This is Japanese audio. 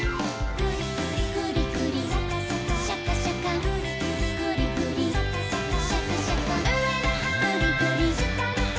「グリグリシャカシャカ」「グリグリシャカシャカ」「うえのはしたのは」